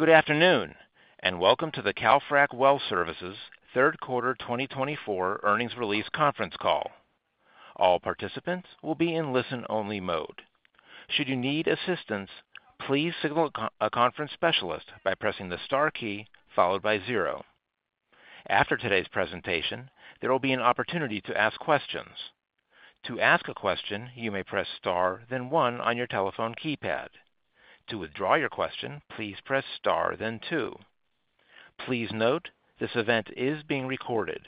Good afternoon, and welcome to the Calfrac Well Services third quarter 2024 earnings release conference call. All participants will be in listen-only mode. Should you need assistance, please signal a conference specialist by pressing the star key followed by zero. After today's presentation, there will be an opportunity to ask questions. To ask a question, you may press star, then one on your telephone keypad. To withdraw your question, please press star, then two. Please note this event is being recorded.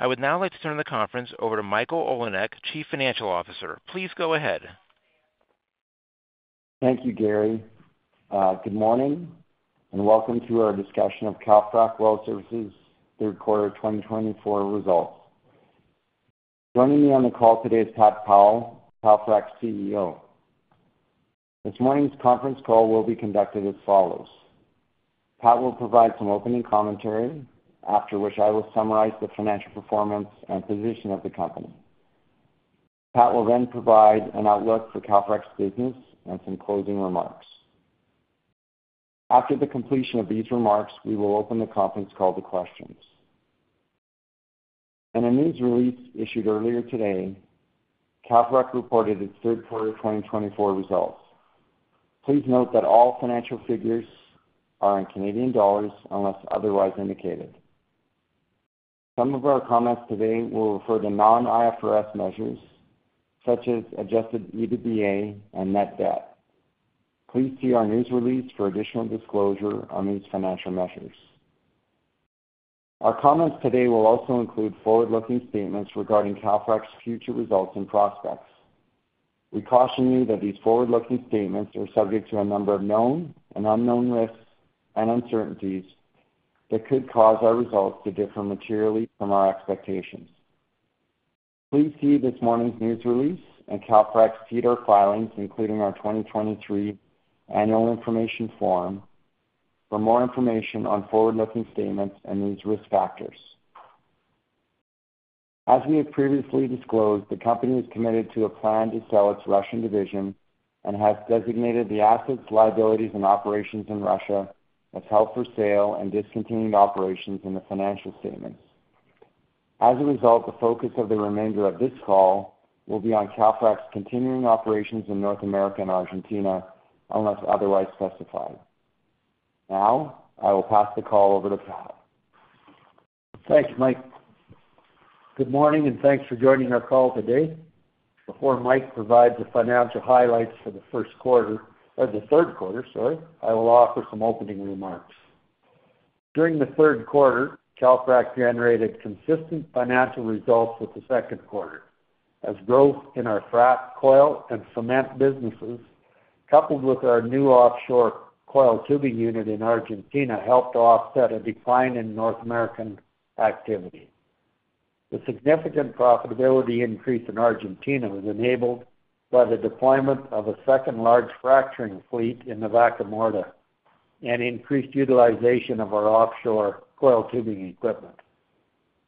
I would now like to turn the conference over to Michael Olinek, Chief Financial Officer. Please go ahead. Thank you Gary. Good morning, and welcome to our discussion of Calfrac Well Services third quarter 2024 results. Joining me on the call today is Pat Powell, Calfrac's CEO. This morning's conference call will be conducted as follows. Pat will provide some opening commentary, after which I will summarize the financial performance and position of the company. Pat will then provide an outlook for Calfrac's business and some closing remarks. After the completion of these remarks, we will open the conference call to questions. In a news release issued earlier today, Calfrac reported its third quarter 2024 results. Please note that all financial figures are in Canadian dollars unless otherwise indicated. Some of our comments today will refer to non-IFRS measures, such as Adjusted EBITDA and net debt. Please see our news release for additional disclosure on these financial measures. Our comments today will also include forward-looking statements regarding Calfrac's future results and prospects. We caution you that these forward-looking statements are subject to a number of known and unknown risks and uncertainties that could cause our results to differ materially from our expectations. Please see this morning's news release and Calfrac's SEDAR filings, including our 2023 annual information form, for more information on forward-looking statements and these risk factors. As we have previously disclosed, the company is committed to a plan to sell its Russian division and has designated the assets, liabilities, and operations in Russia as held for sale and discontinued operations in the financial statements. As a result, the focus of the remainder of this call will be on Calfrac's continuing operations in North America and Argentina unless otherwise specified. Now, I will pass the call over to Pat. Thank you, Mike. Good morning, and thanks for joining our call today. Before Mike provides the financial highlights for the first quarter or the third quarter, sorry, I will offer some opening remarks. During the third quarter, Calfrac generated consistent financial results with the second quarter, as growth in our frac coil and cement businesses, coupled with our new offshore coil tubing unit in Argentina, helped offset a decline in North American activity. The significant profitability increase in Argentina was enabled by the deployment of a second large fracturing fleet in the Vaca Muerta and increased utilization of our offshore coil tubing equipment.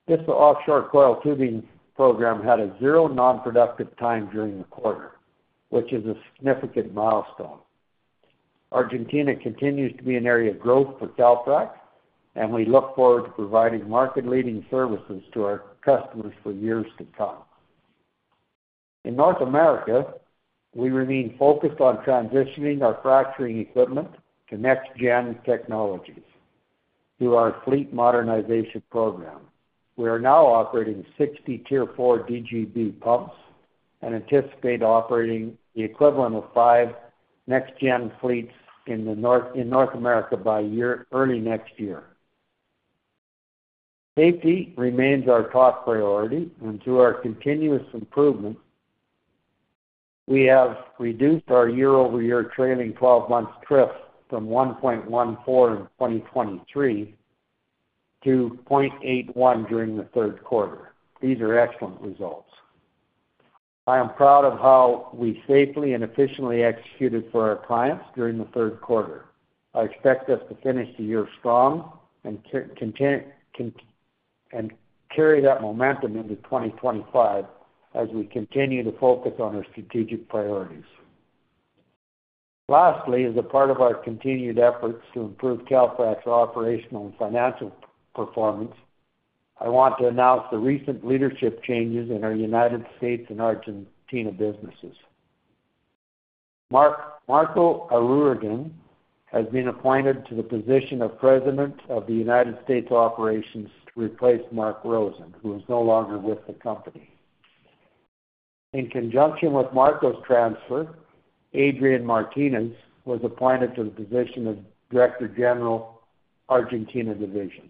This offshore coil tubing program had a zero non-productive time during the quarter, which is a significant milestone. Argentina continues to be an area of growth for Calfrac, and we look forward to providing market-leading services to our customers for years to come. In North America, we remain focused on transitioning our fracturing equipment to next-gen technologies through our fleet modernization program. We are now operating 60 Tier 4 DGB pumps and anticipate operating the equivalent of five next-gen fleets in North America by early next year. Safety remains our top priority, and through our continuous improvement, we have reduced our year-over-year trailing 12-month TRIF from 1.14 in 2023 to 0.81 during the third quarter. These are excellent results. I am proud of how we safely and efficiently executed for our clients during the third quarter. I expect us to finish the year strong and carry that momentum into 2025 as we continue to focus on our strategic priorities. Lastly, as a part of our continued efforts to improve Calfrac's operational and financial performance, I want to announce the recent leadership changes in our United States and Argentina businesses. Marco Arreguin has been appointed to the position of President of the United States Operations to replace Mark Rosen, who is no longer with the company. In conjunction with Marco's transfer, Adrian Martinez was appointed to the position of Director General Argentina Division.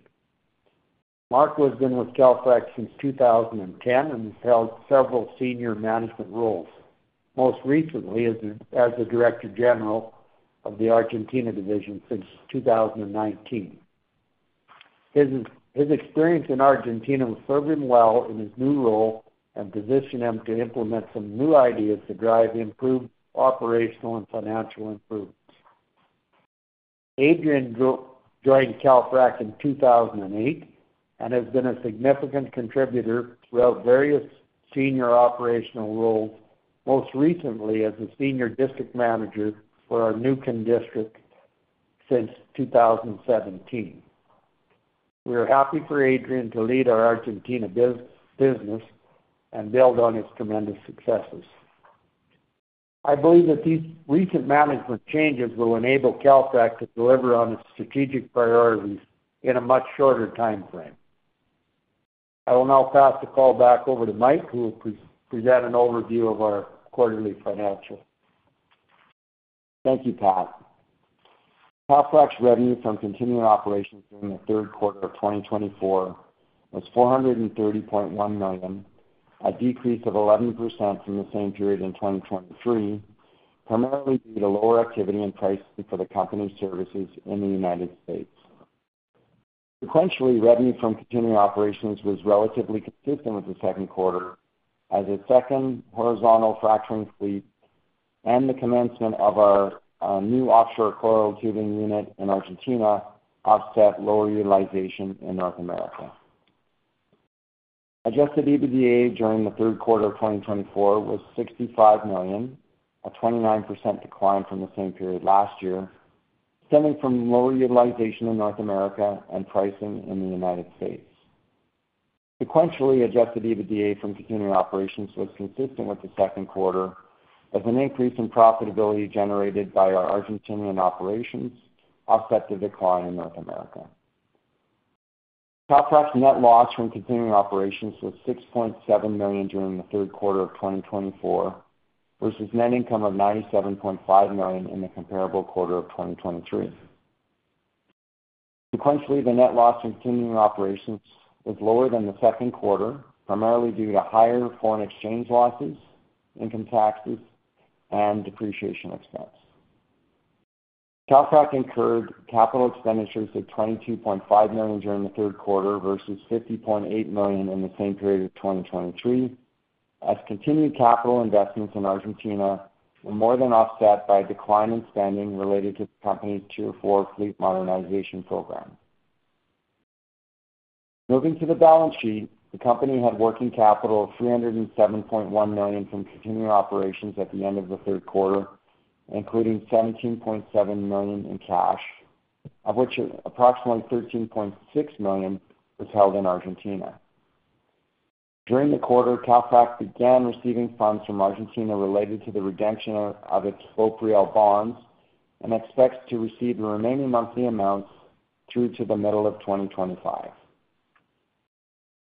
Marco has been with Calfrac since 2010 and has held several senior management roles, most recently as the Director General of the Argentina Division since 2019. His experience in Argentina will serve him well in his new role and position him to implement some new ideas to drive improved operational and financial improvements. Adrian joined Calfrac in 2008 and has been a significant contributor throughout various senior operational roles, most recently as a senior district manager for our Neuquén District since 2017. We are happy for Adrian to lead our Argentina business and build on his tremendous successes. I believe that these recent management changes will enable Calfrac to deliver on its strategic priorities in a much shorter timeframe. I will now pass the call back over to Mike, who will present an overview of our quarterly financials. Thank you, Pat. Calfrac's revenue from continuing operations during the third quarter of 2024 was 430.1 million, a decrease of 11% from the same period in 2023, primarily due to lower activity and pricing for the company's services in the United States. Sequentially, revenue from continuing operations was relatively consistent with the second quarter, as a second horizontal fracturing fleet and the commencement of our new offshore coil tubing unit in Argentina offset lower utilization in North America. Adjusted EBITDA during the third quarter of 2024 was 65 million, a 29% decline from the same period last year, stemming from lower utilization in North America and pricing in the United States. Sequentially, Adjusted EBITDA from continuing operations was consistent with the second quarter, as an increase in profitability generated by our Argentinian operations offset the decline in North America. Calfrac's net loss from continuing operations was 6.7 million during the third quarter of 2024, versus net income of 97.5 million in the comparable quarter of 2023. Sequentially, the net loss from continuing operations was lower than the second quarter, primarily due to higher foreign exchange losses, income taxes, and depreciation expense. Calfrac incurred capital expenditures of 22.5 million during the third quarter, versus 50.8 million in the same period of 2023, as continued capital investments in Argentina were more than offset by a decline in spending related to the company's Tier 4 fleet modernization program. Moving to the balance sheet, the company had working capital of 307.1 million from continuing operations at the end of the third quarter, including 17.7 million in cash, of which approximately 13.6 million was held in Argentina. During the quarter, Calfrac began receiving funds from Argentina related to the redemption of its BOPREAL bonds and expects to receive the remaining monthly amounts through to the middle of 2025.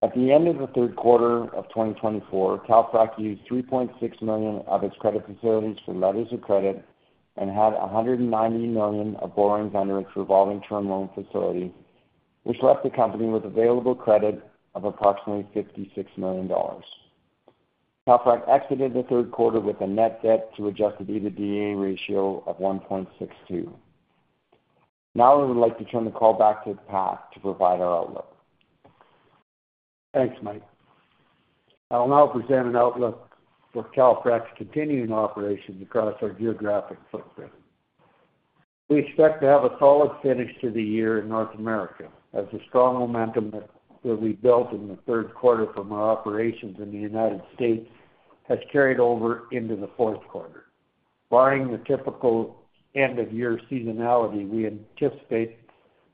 At the end of the third quarter of 2024, Calfrac used 3.6 million of its credit facilities for letters of credit and had 190 million of borrowings under its revolving term loan facility, which left the company with available credit of approximately 56 million dollars. Calfrac exited the third quarter with a net debt to Adjusted EBITDA ratio of 1.62. Now, I would like to turn the call back to Pat to provide our outlook. Thanks, Mike. I will now present an outlook for Calfrac's continuing operations across our geographic footprint. We expect to have a solid finish to the year in North America, as the strong momentum that we built in the third quarter from our operations in the United States has carried over into the fourth quarter. Barring the typical end-of-year seasonality, we anticipate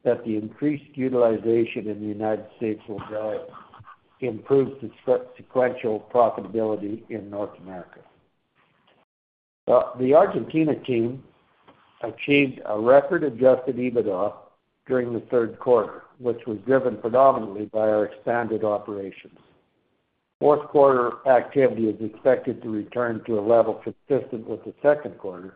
that the increased utilization in the United States will improve the sequential profitability in North America. The Argentina team achieved a record Adjusted EBITDA during the third quarter, which was driven predominantly by our expanded operations. Fourth quarter activity is expected to return to a level consistent with the second quarter,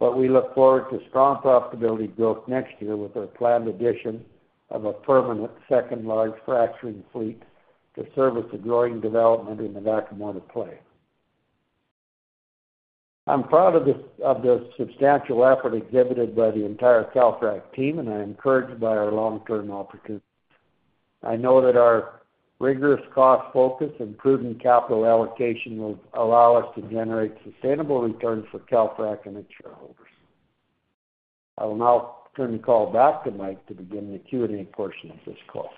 but we look forward to strong profitability growth next year with our planned addition of a permanent second large fracturing fleet to service the growing development in the Vaca Muerta play. I'm proud of the substantial effort exhibited by the entire Calfrac team, and I'm encouraged by our long-term opportunities. I know that our rigorous cost focus and prudent capital allocation will allow us to generate sustainable returns for Calfrac and its shareholders. I will now turn the call back to Michael to begin the Q&A portion of this call.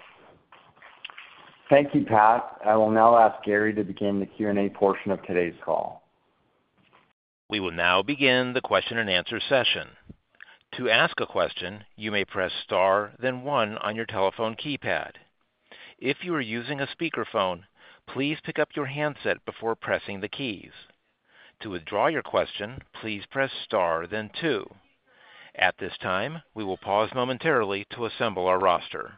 Thank you, Pat. I will now ask Gary to begin the Q&A portion of today's call. We will now begin the question-and-answer session. To ask a question, you may press star, then one on your telephone keypad. If you are using a speakerphone, please pick up your handset before pressing the keys. To withdraw your question, please press star, then two. At this time, we will pause momentarily to assemble our roster.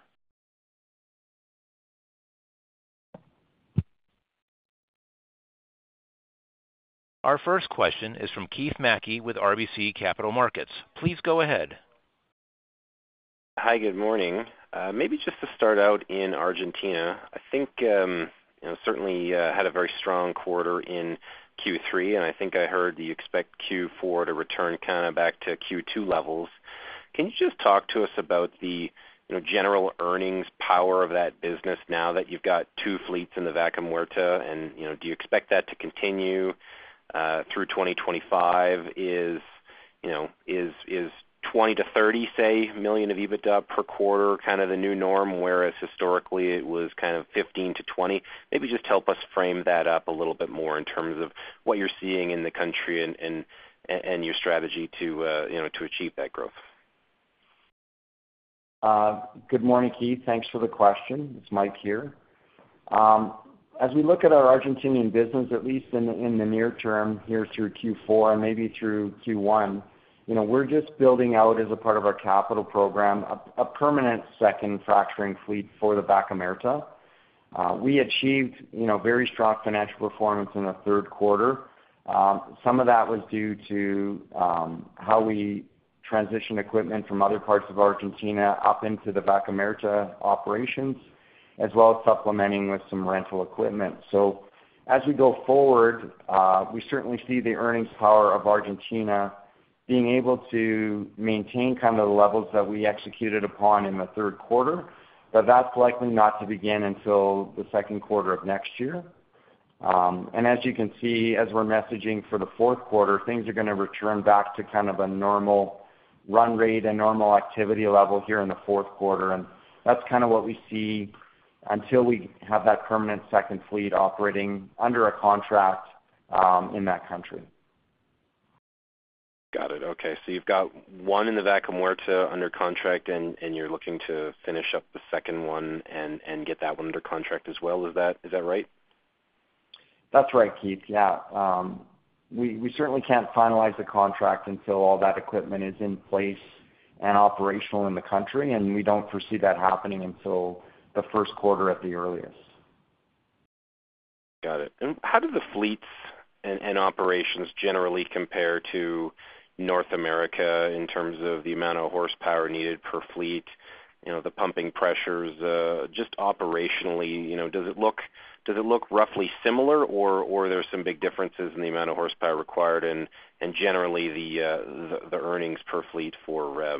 Our first question is from Keith Mackey with RBC Capital Markets. Please go ahead. Hi, good morning. Maybe just to start out in Argentina, I think certainly had a very strong quarter in Q3, and I think I heard you expect Q4 to return kind of back to Q2 levels. Can you just talk to us about the general earnings power of that business now that you've got two fleets in the Vaca Muerta, and do you expect that to continue through 2025? Is 20-30 million of EBITDA per quarter kind of the new norm, whereas historically it was kind of 15-20? Maybe just help us frame that up a little bit more in terms of what you're seeing in the country and your strategy to achieve that growth. Good morning, Keith. Thanks for the question. It's Mike here. As we look at our Argentinian business, at least in the near term here through Q4 and maybe through Q1, we're just building out, as a part of our capital program, a permanent second fracturing fleet for the Vaca Muerta. We achieved very strong financial performance in the third quarter. Some of that was due to how we transitioned equipment from other parts of Argentina up into the Vaca Muerta operations, as well as supplementing with some rental equipment. So as we go forward, we certainly see the earnings power of Argentina being able to maintain kind of the levels that we executed upon in the third quarter, but that's likely not to begin until the second quarter of next year. As you can see, as we're messaging for the fourth quarter, things are going to return back to kind of a normal run rate and normal activity level here in the fourth quarter, and that's kind of what we see until we have that permanent second fleet operating under a contract in that country. Got it. Okay. So you've got one in the Vaca Muerta under contract, and you're looking to finish up the second one and get that one under contract as well. Is that right? That's right, Keith. Yeah. We certainly can't finalize the contract until all that equipment is in place and operational in the country, and we don't foresee that happening until the first quarter at the earliest. Got it. And how do the fleets and operations generally compare to North America in terms of the amount of horsepower needed per fleet, the pumping pressures, just operationally? Does it look roughly similar, or are there some big differences in the amount of horsepower required and generally the earnings per fleet for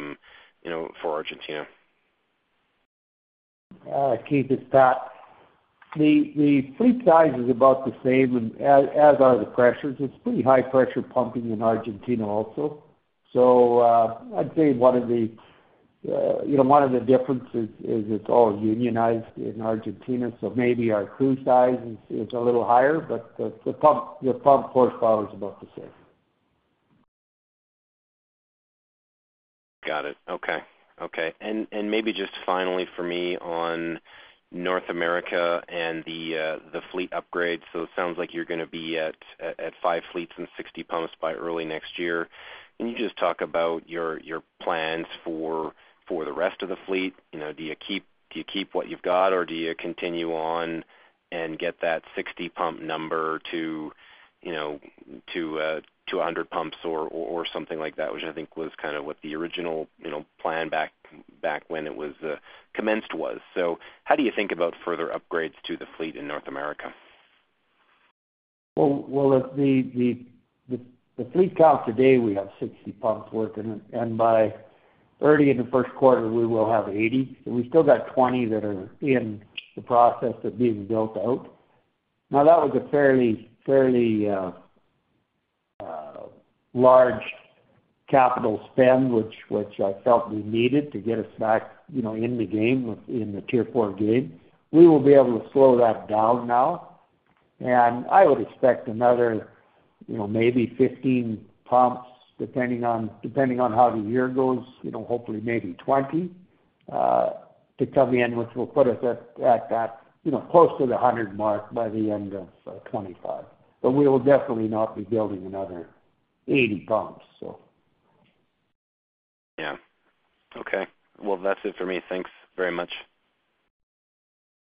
Argentina? Keith, it's that the fleet size is about the same, as are the pressures. It's pretty high-pressure pumping in Argentina also. So I'd say one of the differences is it's all unionized in Argentina, so maybe our crew size is a little higher, but the pump horsepower is about the same. Got it. Okay. Okay. And maybe just finally for me on North America and the fleet upgrade. So it sounds like you're going to be at five fleets and 60 pumps by early next year. Can you just talk about your plans for the rest of the fleet? Do you keep what you've got, or do you continue on and get that 60-pump number to 100 pumps or something like that, which I think was kind of what the original plan back when it was commenced was? So how do you think about further upgrades to the fleet in North America? The fleet count today, we have 60 pumps working, and by early in the first quarter, we will have 80. We still got 20 that are in the process of being built out. Now, that was a fairly large capital spend, which I felt we needed to get us back in the game, in the Tier 4 game. We will be able to slow that down now. I would expect another maybe 15 pumps, depending on how the year goes, hopefully maybe 20 to come in, which will put us at that close to the 100 mark by the end of 2025. We will definitely not be building another 80 pumps, so. Yeah. Okay. That's it for me. Thanks very much.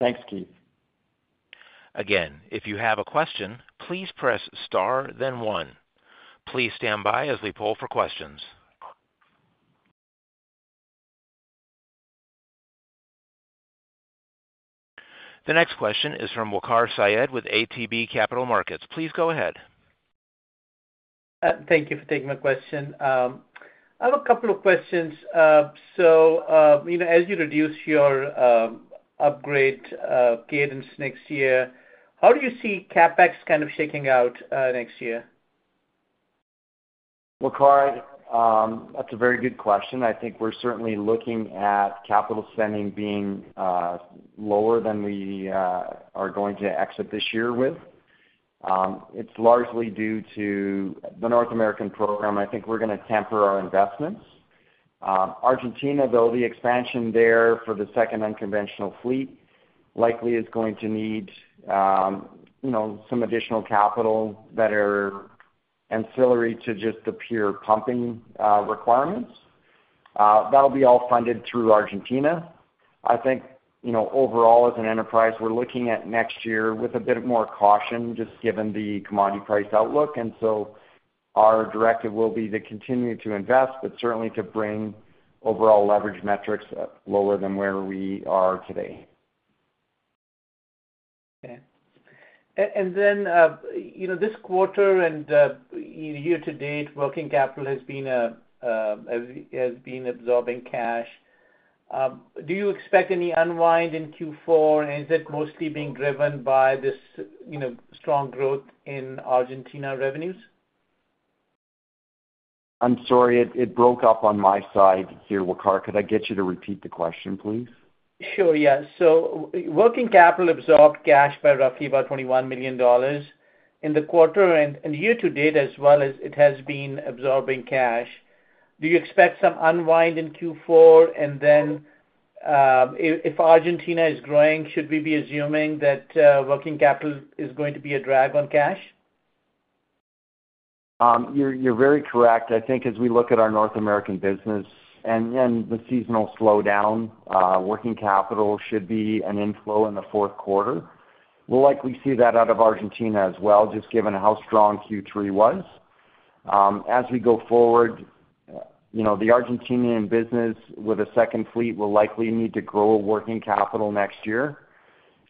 Thanks, Keith. Again, if you have a question, please press star, then one. Please stand by as we pull for questions. The next question is from Waqar Syed with ATB Capital Markets. Please go ahead. Thank you for taking my question. I have a couple of questions. So as you reduce your upgrade cadence next year, how do you see CapEx kind of shaking out next year? Waqar, that's a very good question. I think we're certainly looking at capital spending being lower than we are going to exit this year with. It's largely due to the North American program. I think we're going to temper our investments. Argentina, though, the expansion there for the second unconventional fleet likely is going to need some additional capital that are ancillary to just the pure pumping requirements. That'll be all funded through Argentina. I think overall, as an enterprise, we're looking at next year with a bit more caution, just given the commodity price outlook. And so our directive will be to continue to invest, but certainly to bring overall leverage metrics lower than where we are today. Okay. And then this quarter and year to date, working capital has been absorbing cash. Do you expect any unwind in Q4, and is it mostly being driven by this strong growth in Argentina revenues? I'm sorry, it broke up on my side here, Waqar. Could I get you to repeat the question, please? Sure. Yeah, so working capital absorbed cash by roughly about 21 million dollars in the quarter, and year to date as well, it has been absorbing cash. Do you expect some unwind in Q4, and then, if Argentina is growing, should we be assuming that working capital is going to be a drag on cash? You're very correct. I think as we look at our North American business and the seasonal slowdown, working capital should be an inflow in the fourth quarter. We'll likely see that out of Argentina as well, just given how strong Q3 was. As we go forward, the Argentinian business with a second fleet will likely need to grow working capital next year.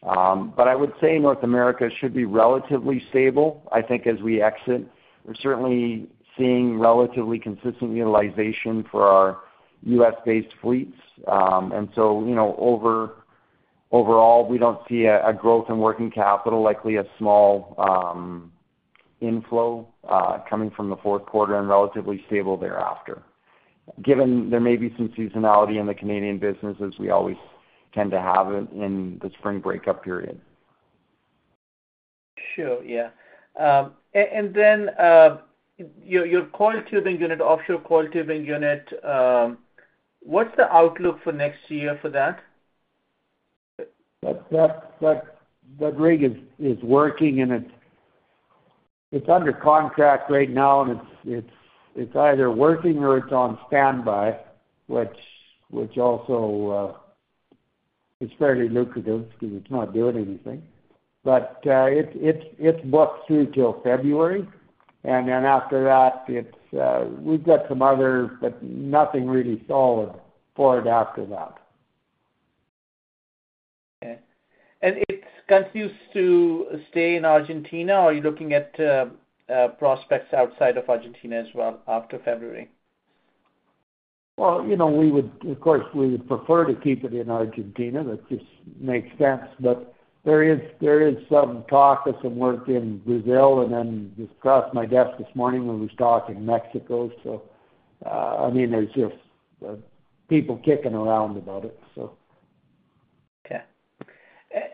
But I would say North America should be relatively stable. I think as we exit, we're certainly seeing relatively consistent utilization for our U.S.-based fleets, and so overall, we don't see a growth in working capital, likely a small inflow coming from the fourth quarter and relatively stable thereafter, given there may be some seasonality in the Canadian business, as we always tend to have in the spring breakup period. Sure. Yeah. And then your coiled tubing unit, offshore coiled tubing unit, what's the outlook for next year for that? That rig is working, and it's under contract right now, and it's either working or it's on standby, which also is fairly lucrative because it's not doing anything. But it's booked through till February, and then after that, we've got some other, but nothing really solid for it after that. Okay. And it's committed to stay in Argentina? Are you looking at prospects outside of Argentina as well after February? Of course, we would prefer to keep it in Argentina. That just makes sense. But there is some talk of some work in Brazil, and then just across my desk this morning, we were talking Mexico. I mean, there's just people kicking around about it, so. Okay.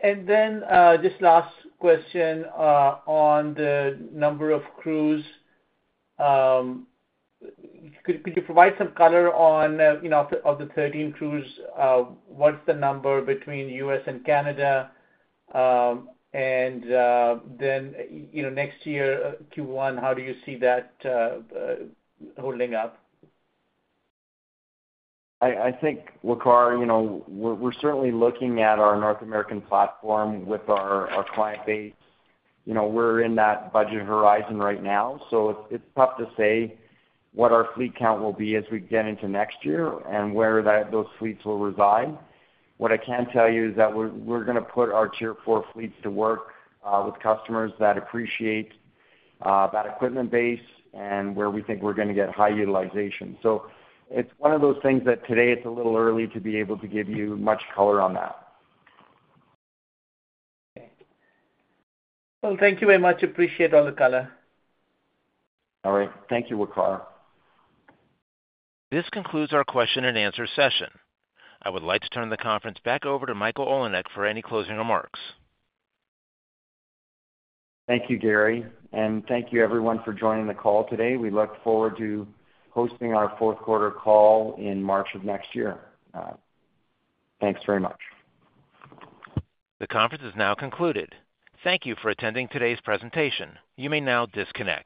And then just last question on the number of crews. Could you provide some color on, of the 13 crews, what's the number between U.S. and Canada? And then next year, Q1, how do you see that holding up? I think, Waqar, we're certainly looking at our North American platform with our client base. We're in that budget horizon right now, so it's tough to say what our fleet count will be as we get into next year and where those fleets will reside. What I can tell you is that we're going to put our Tier 4 fleets to work with customers that appreciate that equipment base and where we think we're going to get high utilization. So it's one of those things that today it's a little early to be able to give you much color on that. Okay. Well, thank you very much. Appreciate all the color. All right. Thank you, Waqar. This concludes our question-and-answer session. I would like to turn the conference back over to Michael Olinek for any closing remarks. Thank you, Gary. And thank you, everyone, for joining the call today. We look forward to hosting our fourth quarter call in March of next year. Thanks very much. The conference is now concluded. Thank you for attending today's presentation. You may now disconnect.